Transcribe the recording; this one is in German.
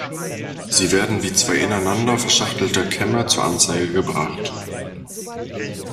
Sie werden wie zwei ineinander verschachtelte Kämme zur Anzeige gebracht.